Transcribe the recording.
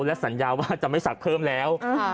และสัญญาว่าจะไม่ศักดิ์เพิ่มแล้ว